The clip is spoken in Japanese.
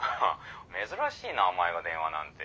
珍しいなお前が電話なんて。